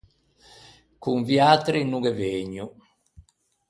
Con viatri no ghe vëgno.